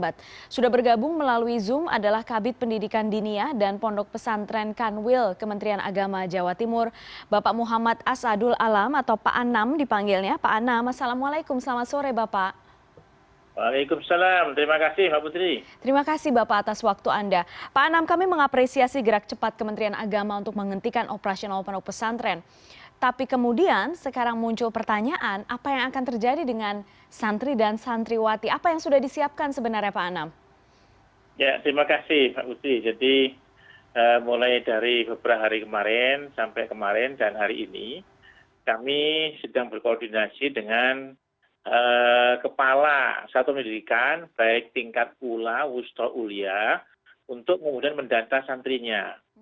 terima kasih pak ustri jadi mulai dari beberapa hari kemarin sampai kemarin dan hari ini kami sedang berkoordinasi dengan kepala satu pendidikan baik tingkat pula wusto ulia untuk kemudian mendata santrinya